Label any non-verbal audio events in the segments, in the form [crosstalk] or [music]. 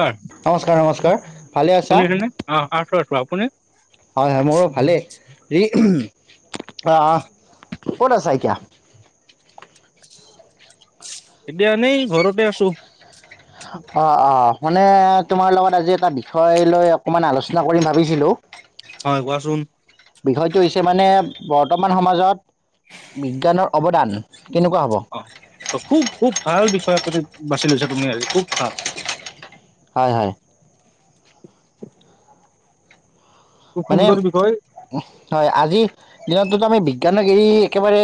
হয় নমস্কাৰ নমস্কাৰ ভালে আছা। শুনিছেনে অ আছো আছো আপুনি হয় হয় মোৰো ভালেই হেৰি - আহ কত আছা ইকিয়া? এতিয়া এনেই ঘৰতে আছো। অ অ মানে তোমাৰ লগত আজি এটা বিষয় লৈ অকমান আলোচনা কৰি ভাবিছিলো। হয় কোৱাচোন। বিষয়টো হৈছে মানে বৰ্তমান সমাজত বিজ্ঞানৰ অৱদান। কেনেকুৱা হ'ব অ খুব খুব ভাল বিষয়ে আপুনি বাছি লৈছা তুমি আজ খুব ভাল। হয় হয়। খুব মানে, সুন্দৰ বিষয় হয়। আজিৰ দিনততো আমি বিজ্ঞানক এৰি একেবাৰে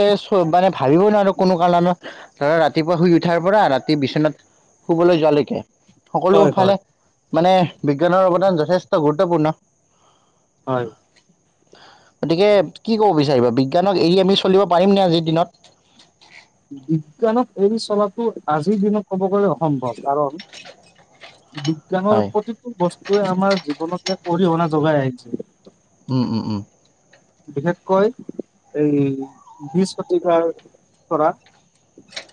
মানে ভাবিবই নোৱাৰো কোনো কাৰণত ৰাতিপুৱা শুই উঠাৰ পৰা ৰাতি বিচনাত শুবলৈ যোৱালৈকে। সকলো হয় হয় ফালে মানে বিজ্ঞানৰ অৱদান যথেষ্ট গুৰুত্বপূৰ্ণ। হয়। [unintelligible] গতিকে কি ক'ব বিচাৰিবা বিজ্ঞানক এৰি আমি চলিব পাৰিমনে আজিৰ দিনত বিজ্ঞানক এৰি চলাটো আজিৰ দিনত ক'ব গ'লে অসম্ভৱ, কাৰণ বিজ্ঞানৰ হয় প্ৰতিটো বস্তুৱে আমাৰ জীৱনত এক অৰিহণা জোগাই আহিছে। উম, উম, উম। বিশেষকৈ এই বিশ শতিকাৰ পৰা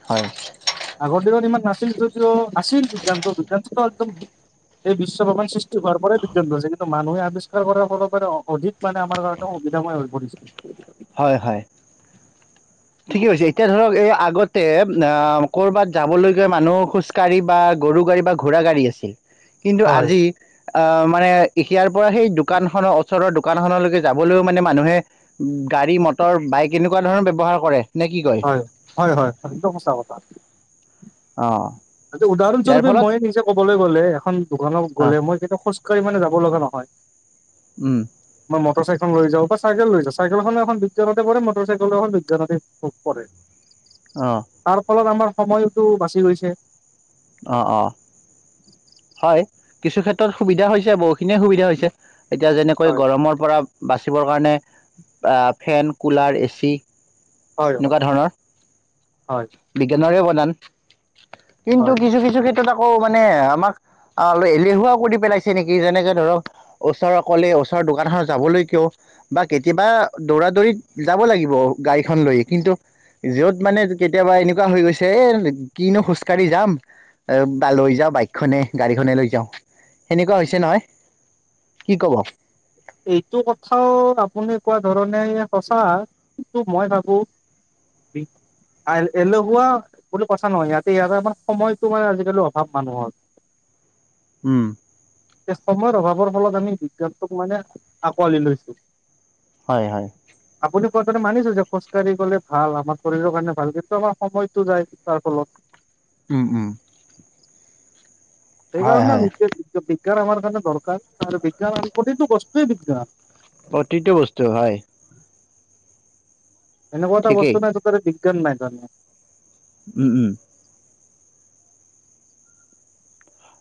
হয়। আগৰ দিনত ইমান নাছিল যদিও, আছিল বিজ্ঞান বিজ্ঞানটো একদম এই বিশ্ব ভগৱান সৃষ্ট হোৱাৰ পৰাই বিজ্ঞান আছে ন মানুহে আৱিষ্কাৰ কৰাৰ ফলৰ পৰা অধিক মানে আমাৰ কাৰণ সুবিধাময় হৈ পৰিছে। হয়, হয়। ঠিকে কৈছে, এতিয়া ধৰক এই আগতে অ' ক'ৰবাত যাবলৈ গৈ মানুহ খোজ কঢ়ি বা গৰু গাড়ী বা ঘোঁৰা গাড়ী আছিল। কিন্তু, হয় আজি আহ মানে এতিয়াৰ পৰা সেই দোকান খনত ওচৰৰ দোকানখনলৈকে যাবলৈও মানে মানুহে গাড়ী, মটৰ, বাইক এনেকুৱা ধৰণৰ ব্যৱহাৰ কৰে। নে কি কয় হয়, হয়, হয় একদম সঁচা কথা। অহ' উদাহৰণ স্বৰূপে মই নিজে ক'বলৈ গ'লে এখন দোকানক অ গ'লে মই কেতিয়াও খোজ কাঢ়ি মানে যাব লগা নহয়। উম। মই মটৰ চাইকেল লৈ যাওঁ বা চাইকেল লৈ যাওঁ। চাইকেলখনেও এখন বিজ্ঞানতে পৰে, মটৰ চাইকেলোও এখন বিজ্ঞানতে ভ পৰে। অ তাৰফলত আমাৰ সময়তটো বাচি গৈছে। অঁ অঁ, হয় কিছু ক্ষেত্ৰত সুবিধা হৈছে বহুখিনিয়ে সুবিধা হৈছে। এতিয়া যেনেকৈ হয় গৰমৰ পৰা বাচিবৰ কাৰণে ফেন কুলাৰ এ চি। হয় হয়। এনেকুৱা ধৰণৰ হয় বিজ্ঞানৰে অৱদান। হয়। কেইটাত আকৌ মানে আমাক। অ এলেহুৱা কৰি পেলাইছে নেকি যেনেকে ধৰক ওচৰৰ অকলে ওচৰৰ দোকানখন যাবলৈ কেয়ো। বা কেতিয়াবা দৌৰা দৌৰিত যাব লাগিব গাড়ীখন লৈ কিন্তু, ভিৰত মানে কেতিয়াবা এনেকুৱা হৈ গৈছে এ কিনো খোজ কাঢ়ি যাম। বা লৈ যাওঁ বাইক। খনে গাড়ীখনে লৈ যাওঁ সেনেকুৱা হৈছে নহয় কি ক'ব। এইটো কথাও আপুনি কোৱাৰ ধৰণে সঁচা কিন্তু মই ভাবো। বি, এলেহুৱা বুলি কথা নহয় ইয়াতে ইয়তে মানে সময়তটো মানে আজিকালি অভাৱ মানুহৰ। [inaudible] উম চিষ্টেমৰ অভাৱৰ ফলত আমি বিজ্ঞানটোক মানে আঁকোৱালি লৈছো। হয় হয়। তোৰ কথা মানিছো যে খোজকাঢ়ি গ'লে ভাল আমাৰ শৰীৰৰ কাৰণে ভাল কিন্তু আমাৰ সময়টো যায় তাৰ ফলত। উম উম। হয় সেইকাৰণে হয় আমি [unintelligible] বিজ্ঞান আমাৰ কাৰণে দৰকাৰ আৰু বিজ্ঞান আমি প্ৰতিটো বস্তুৱেই বিজ্ঞান। প্ৰতিটো বস্তু হয়। এনেকুৱা এটা বস্তু ঠিকেই। নাই য'ত তাতে বিজ্ঞান নাই তাত। উম উম।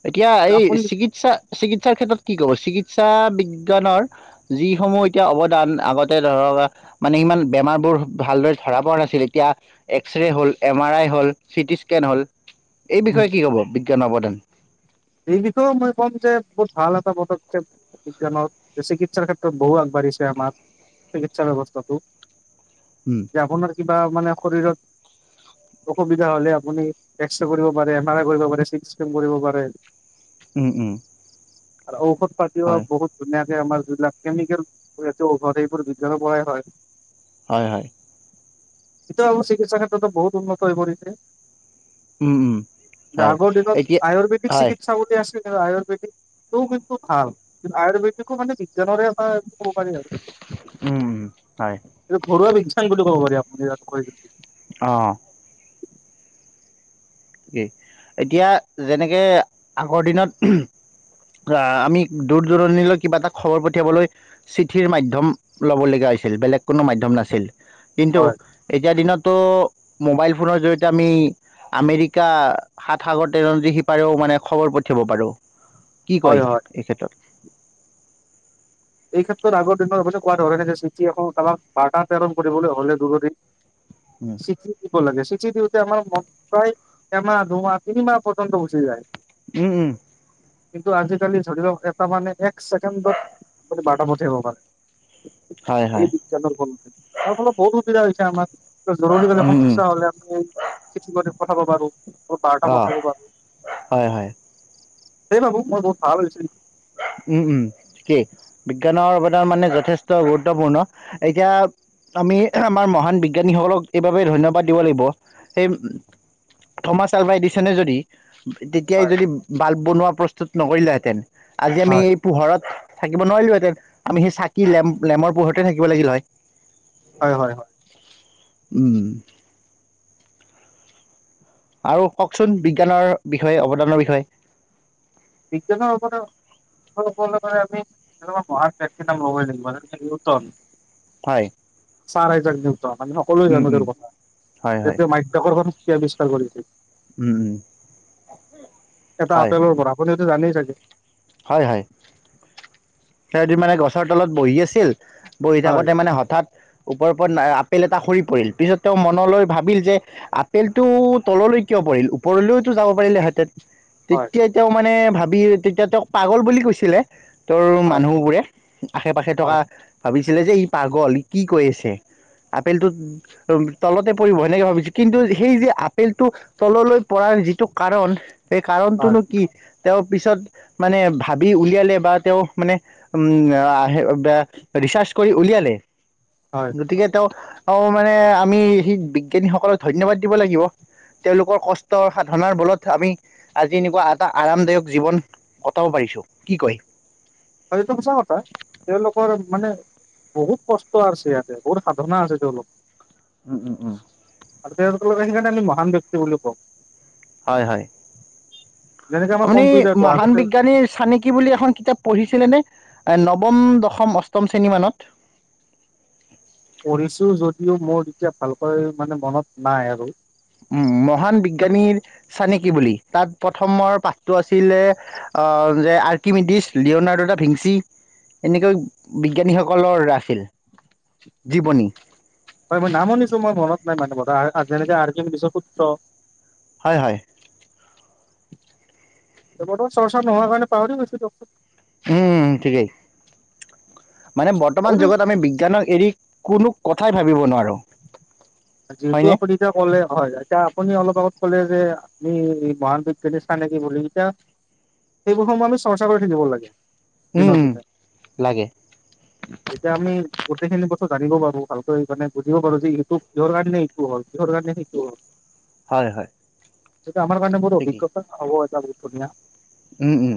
এতিয়া এই আপুনি চিকিৎসা চিকিৎসাৰ ক্ষেত্ৰত কি ক'ব চিকিৎসা বিজ্ঞানৰ যিসমূহ এতিয়া অৱদান আগতে ধৰক মানে ইমান বেমাৰবোৰ ভালদৰে ধৰা পৰা নাছিল, এতিয়া এক্সৰে হ'ল, এম আৰ আই হ'ল, চিটি স্কেন হ'ল এই বিষয়ে কি হ'ব বিজ্ঞান অৱদান? এই বিষয়েও মই ক'ম যে বহুত ভাল এটা পদক্ষেপ বিজ্ঞানৰ, চিকিৎসাৰ ক্ষেত্ৰত বহু আগবাঢ়ি ছে আমাক চিকিৎসা ব্যৱস্থাটো, উম তে আপোনাৰ কি বা মানে শৰীৰত অসুবিধা হ'লে আপুনি এক্সৰে কৰিব পাৰে, এম আৰ আই কৰিব পাৰে, চিটিস্কেন কৰিব পাৰে। উম উম। আৰু ঔষধ পাতিও হয়। বহুত ধুনীয়া। এই আমাৰ যিবিলাক কেমিকেল সেটো ঔষধ এইবোৰ বিজ্ঞান পৰাই হয়। হয় হয়। এইটো আৰু চিকিৎসা ক্ষেত্ৰতো বহুত উন্নত হৈ পৰিছে। উম উম হয় আগৰ দিনত এতিয়া আয়ুৰ্বেদিক হয় চিকিৎ চাবলৈ আছে যে আয়ুৰ্বেদিকটো ও কিন্তু ভাল, আয়ুৰ্বেদিকো মানে বিজ্ঞানৰে এটা ক'ব পাৰি আৰু, উম উম হয় এইটো ঘৰুৱা বিজ্ঞান বুলি ক'ব পাৰি, আপুনি যাক কয়। অহ। ঠিকেই এতিয়া যেনেকে আগৰ দিনত আহ, আমি দূৰ-দূৰণিলৈ কিবা এটা খবৰ পঠিয়াবলৈ চিঠিৰ মাধ্যম ল'ব লগীয়া আ ছিল, বেলেগ কোনো মাধ্যম নাছিল। কিন্তু, হয়, এতিয়া দিনতো মোবাইল ফোনৰ জৰিয়তে আমি আমেৰিক কা সাত সাগৰ তেৰ নদীৰ সিপাৰেও মানে খবৰ পঠিয়াব পাৰো। কি কয় হয়, হয়। এই ক্ষেত্ৰত? এই ক্ষেত্ৰত আগৰ দিনৰ কোৱা ধৰেণে যে চিঠি এখন কাবাক বাৰ্তা প্ৰেৰণ কৰিবলৈ হ'লে জৰুৰী উম চিঠি দিব লাগে চি চিঠি দিওঁতে আমাৰ কম প্ৰায় এমাহ দুমাহ তিনিমাহ পৰ্যন্ত গুচি যায়। উম উম। কিন্তু আজিকালি ধৰি লওক এটা মানে এক ছেকেণ্ডত বাৰ্তা পঠিয়াব পাৰে। হয় এই হয় বিজ্ঞানৰ ফল, তাৰ ফলত বহুত সুবিধা হৈছে আমাৰ। জৰুৰীকালীন সমস্যা হ'লে আমি কৰি পঠাব পাৰোঁ। মই বাৰ্তা অঁ পঠাব পাৰোঁ। হয় হয় সেয়ে ভাবোঁ, মই বহুত ভাল হৈছিল। উম উম, ঠিকেই। বিজ্ঞানৰ অৱদান মানে যথেষ্ট গুৰুত্বপূৰ্ণ। এতিয়া আমি আমাৰ মহান বিজ্ঞানীসকলক এইবাবে ধন্যবাদ দিব লাগিব। এই থমাছ আলভা এডিচনে যদি তেতিয়াই হয় যদি বাল্ব বনোৱা প্ৰস্তুত নকৰিলেহেঁতেন, আজি আমি হয় এই পোহৰত থাকিব নোৱাৰিলোহেঁতেন, আমি সেই চাকি-লেম্প লেমৰ পোহৰতে থাকিব লাগিল হয়। হয় হয় হয় উম। আৰু কওকচোন বিজ্ঞানৰ বিষয়ে, অৱদানৰ বিষয়ে। বিজ্ঞানৰ অৱদান বিজ্ঞানৰ ওপৰত আমি এনেকোৱা মহান ব্যক্তিৰ নাম লবৈ লাগিব নিউটন হয়। চাৰ আইজাক নিউটন আমি সকলোৱে উম জানো উম তেওঁৰ কথা হয় যে হয় তেওঁ মাধ্যকৰ্ষণৰ শক্তি আৱিষ্কাৰ কৰিছিল। উম। এটা হয় আপেলৰ পৰা, আপুনিতো জানেই চাগে। হয় হয়, সিহঁতি মানে গছৰ তলত বহি আছিল, বহি হয় থাকোতে মানে হঠাৎ। ওপৰৰ পৰা আপেল এটা সৰি পৰিল। পিছত তেওঁ মনলৈ ভাবিল যে আপেলটো তললৈ কিয়, পৰিল ওপৰলৈতো যাব পাৰিল হেতঁন। হয় তেতিয়া তেওঁ মানে ভাবি তেতিয়া তেওঁক পাগল বুলি কৈছিলে তেওঁৰ। হয় মানুহ বোৰে আশে- পাশে হয় থকা ভাবিছিলে যে ই পাগল ই কি কৈ আছে। আপেলটো তলতে পৰিব সেনেকে ভাবিছো কিন্তু সেই যে আপেলটো তললৈ পৰা যিটো কাৰণ সেই হয় হয় কাৰণটোনো কি তেওঁ পিছত মানে ভাবি উলিয়ালে বা তেওঁ মানে উম আহ ৰিচাৰ্চ কৰি উলিয়ালে হয় গতিকে তেওঁ অ' মানে আমি সি বিজ্ঞানীসকলক ধন্যবাদ দিব লাগিব তেওঁলোকৰ কষ্ট সাধনাৰ বলত আমি আজি এনেকুৱা এটা আৰামদায়ক জীৱন কটাব পাৰিম কি কয়? সেইটো সঁচা কথা তেওঁলোকৰ মানে বহুত কষ্ট আছে ইয়াতে বহুত সাধনা আছে তেওঁলোক উম উম উম। আৰু সেইকাৰণে আমি মহান ব্যক্তি বুলি কও। হয় হয়। যেনেকে আমাৰ আপুনি কম্পিউটাৰটো মহান আগতে বিজ্ঞানীৰ চানিকি বুলি এখন কিতাপ পঢ়িছিলে নে? নৱম দশম অষ্টম শ্ৰেণী মানত। পঢ়িছো যদিও মোৰ এতিয়া ভালকৈ মানে মনত নাই আৰু। উম মহান বিজ্ঞানীৰ চানেকি বুলি তাত প্ৰথমৰ পাঠটো আছিলে যে আৰ্কিমিডিছ লিঅ'নাৰ্ড এটা ভিঞি। এনেকৈ বিজ্ঞানীসকলৰ আছিল জীৱনী। হয় মই নাম শুনিছো মই মনত নাই মানুহ যেনে আকিমিডিচৰ পুত্ৰ হয় হয়। বতমান চৰ্চা নহোৱাৰ কাৰণে পাহৰি গৈছো দিয়কচোন। উম, ঠিকেই মানে হ'ব বৰ্তমান দিয়ক যুগত আমি বিজ্ঞানক এৰি কোনো কথাই ভাবিব নোৱাৰোঁ। যিহেতু হয়নে? আপুনি এতিয়া ক'লে হয়, এতিয়া আপুনি অলপ আগত ক'লে যে আমি মহান বিজ্ঞানী চানেকি বুলি। সেইবোৰ সমানো চৰ্চা কৰি থাকিব লাগে। উম, দিনক উম, দিনে লাগে এতিয়া আমি গোটেই খিনি কথা জানিব পাৰোঁ। ভালকে মানে বুজিব পাৰোঁ যে ইউটিউব কিহৰ কাৰণে সেইটো হয়, হয়। সেইটো আমাৰ কাৰণে বহুত ঠিকেই অভিজ্ঞতা অৱহেলা বুলি ধুনীয়া উম, উম।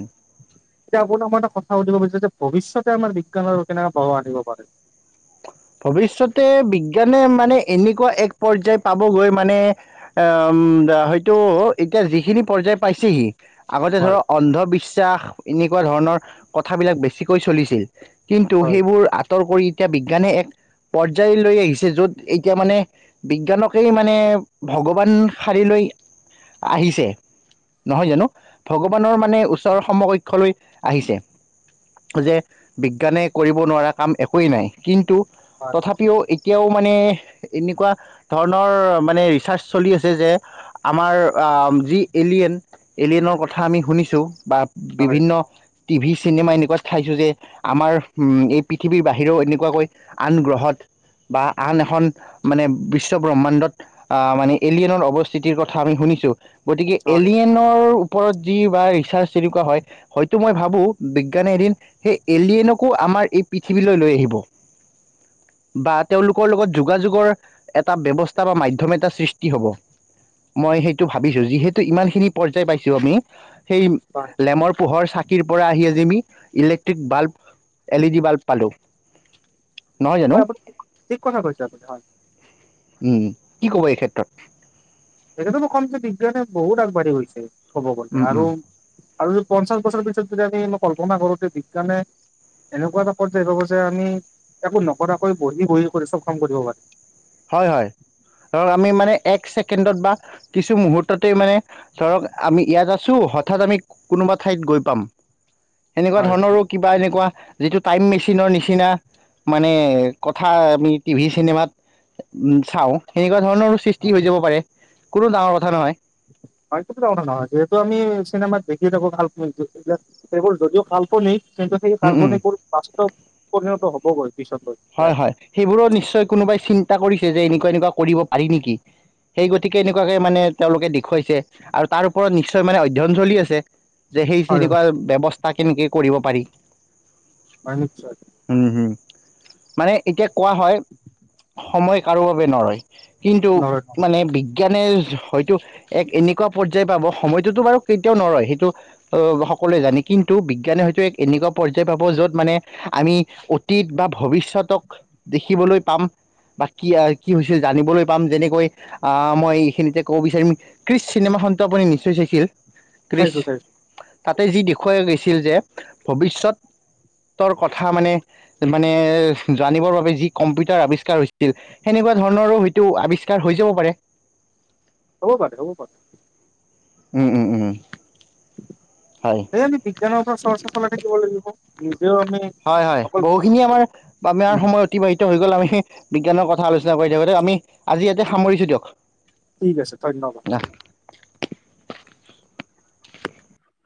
এতিয়া আপোনাক মই এটা কথা সুধিব বিচাৰিছোঁ যে ভৱিষ্যতে আমাৰ বিজ্ঞানৰ কেনে প্ৰভাব আনিব পাৰে? ভৱিষ্যতে বিজ্ঞানে মানে এনেকুৱা এক পৰ্যায় পাবগৈ মানে উম, হয়তো এতিয়া যিখিনি পৰ্যায় পাইছেহি। আগতে হয় ধৰক অন্ধবিশ্বাস এনেকুৱা ধৰণৰ কথাবিলাক বেছিকৈ চলিছিল। কিন্তু, হয় সেইবোৰ আঁতৰ কৰি এতিয়া বিজ্ঞানে এক পৰ্যায় লৈ আহিছে য'ত এতিয়া মানে বিজ্ঞানকেই মানে ভগৱান সাশ লৈ আহিছে। নহয় জানোঁ। ভগৱানৰ মানে ওচৰৰ সমকক্ষলৈ আহিছে। যে বিজ্ঞানে কৰিব নোৱাৰা কাম একোৱেই নাই। কিন্তু হয় তথাপিও এতিয়াও মানে এনেকুৱা ধৰণৰ মানে ৰিচাৰ্চ চলি আছে যে আমাৰ আহ যি এলিয়েন, এলিয়েনৰ কথা আমি শুনিছোঁ বা হয় বিভিন্ন টিভি চিনেমা এনেকুৱা চাইছোঁ যে আমাৰ এই পৃথিৱীৰ বাহিৰেও এনেকুৱাকৈ। আন গ্ৰহত বা আন এখন মানে বিশ্ব ব্ৰহ্মাণ্ডত আহ মানে এলিয়েনৰ অৱস্থিতিৰ কথা আমি শুনিছো গতিকে হয় এলিয়েনৰ ওপৰত যি বা ৰিচাৰ্চ তেনেকুৱা হয়তো মই ভাবো বিজ্ঞানে এদিন সেই এলিয়নকো আম আমাৰ এই পৃথিৱীলৈ লৈ আহিব। বা তেওঁলোকৰ লগত যোগাযোগৰ এটা ব্যৱস্থা বা মাধ্যম এটা সৃষ্টি হ'ব মই সেইটো ভাবিছোঁ যিহেতু ইমান খিনি পৰ্যায় পাইছো আমি সেই হয় লেমৰ পোহৰ চাকি চাকিৰ পৰা আহি আজি মি electric bulb L E D bulb পালোঁ। নহয় জানো হয় আপুনি‌ ঠিক কথা কৈছে আপুনি হয়। উ কি ক'ব এই ক্ষেত্ৰত। এটোকেই মই কম যে বিজ্ঞানে বহুত আগবাঢ়ি গৈছে। ক'ব গলে উম, আৰু উম, আৰু যদি পঞ্চাশ বছৰৰ পিছত যদি আমি কল্পনা কৰোতে বিজ্ঞানে এনেকুৱা এটা পৰ্যায় পাব যে আমি একো নকৰাকৈ বহি বহি কৰি চব কাম কৰিব পাৰি। হয় হয় ধৰক আমি মানে এক ছেকেণ্ডত বা কিছু মুহূৰ্ততেই মানে ধৰক আমি ইয়াত আছো হঠাৎ আমি কোনোবা ঠাইত গৈ পাম সেনেকুৱা হয় ধৰণৰো কিবা এনেকুৱা যিটো টাইম মেচিনৰ নিচিনা মানে কথা আমি টিভি চিনেমাত উ চাও সেনেকুৱা ধৰণৰো সৃষ্টি হৈ যাব পাৰে কোনো ডাঙৰ কথা নহয়। হয় সেইো ডাঙনা নহয়। যিহেতু আমি চিনেমাত দেখিয়ে থাকো কাল্পনিক এইাক সেইবোৰ যদিও কাল্পনিক সেই উম উম কাপ্লনিক বোৰ বাস্তৱ পৰিণত হবগৈ হয় হয় সেইবোৰো নিশ্চয় কোনোবাই চিন্তা কৰিছে যে এনেকুৱা এনেকুৱা কৰিব পাৰি নেকি। সেই গতিকে এনেকুৱাকে মানে তেওঁলোকে দেখুৱাইছে আৰু তাৰ ওপৰত নিশ্চয় মানে অধ্যয়ন চলি আছে। যে সেই হয় তেনেকুৱা ব্যৱস্থা কেনেকে কৰিব পাৰি হয় নিশ্চয় উম হম মানে এতিয়া কোৱা হয় সময় কাৰো বাবে নৰয় কিন্তু নহয় নহয় মানে বিজ্ঞান বিজ্ঞানে হয়তো এক এনেকুৱা পৰ্যায় পাব সময়টোোতো বাৰু কেতিয়াও নৰয় সেইটো অ সকলোৱে জানে কিন্তু বিজ্ঞানে হয়তো এক এনেকুৱা পৰ্যায় পাব য'ত মানে আমি অতীত বা ভৱিষ্যত তক দেখিবলৈ পাম। বা কি কি হৈ হৈছে জানিবলৈ পাম যেনেকৈ আহ মই এইখিনিতে কব বিচাৰিম ক্ৰিষ্ট চিনেমা টো আপুনি‌ নিশ্চয় চাইছিল। ক্ৰিছ চাইছোঁ চাইছোঁ তাতে যি দেখুৱাই গৈছিল যে ভৱিষ্যত ৰ কথা মানে মানে জানিবৰ বাবে যি কম্পিউটাৰ আৱিষ্কাৰ হৈছিল। সেনেকুৱা ধৰণৰো হয়তো আৱিষ্কাৰ হৈ যাব পাৰে। [inaudible] হ'ব পাৰে হ'ব পাৰে। উম, উম, উম হয়। আমি বিজ্ঞানৰ ওপৰত চৰ্চা চলাই থাকিব লাগিব। নিজেও আমি হয় হয় অকল বহুখিনি আমাৰ আমাৰ উম সময় অতিবাহিত হৈ গ'ল আমি বিজ্ঞানৰ কথা আলোচনা কৰি থাকোঁতে আমি আজি এতিয়া সামৰিছো দিয়ক। ঠিক আছে ধন্যবাদ। অ